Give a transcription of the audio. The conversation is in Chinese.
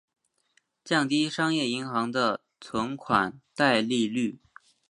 降低商业银行的存贷款利率。